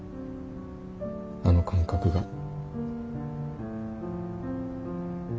あの感覚が。